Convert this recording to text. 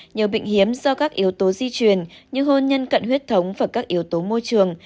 nhờ bị hiếm do các yếu tố di truyền như hôn nhân cận huyết thống và các yếu tố môi trường